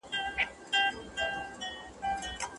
نو لیکنه دې معیاري ده.